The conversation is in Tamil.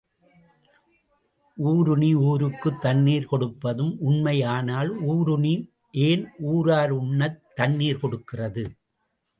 ஊருணி ஊருக்குத் தண்ணீர் கொடுப்பதும் உண்மை ஆனால் ஊருணி ஏன் ஊரார் உண்ணத் தண்ணீர் கொடுக்கிறது?